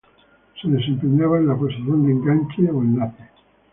Se desempeñaba en la posición de enganche o enlace.